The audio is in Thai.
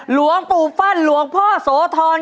หลวงปู่ฟั่นหลวงพ่อโสธร